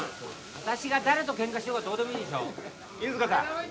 私が誰とケンカしようがどうでもいいでしょ犬塚さん